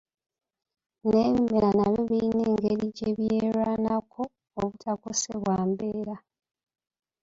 N'ebimera nabyo biyina engeri gye byerwanako obutakosebwa mbeera.